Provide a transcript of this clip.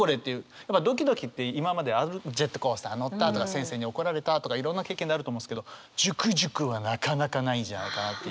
やっぱドキドキって今まであるジェットコースター乗ったとか先生に怒られたとかいろんな経験であると思うんですけどジュクジュクはなかなかないんじゃないかなっていう。